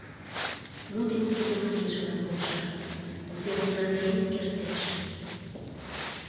Мо дене тудо марийжылан полша, кузе лыпландарен кертеш?